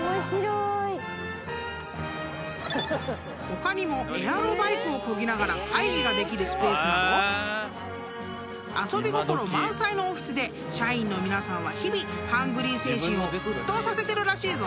［他にもエアロバイクをこぎながら会議ができるスペースなど遊び心満載のオフィスで社員の皆さんは日々ハングリー精神を沸騰させてるらしいぞ］